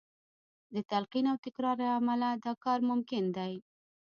د تلقین او تکرار له امله دا کار ممکن دی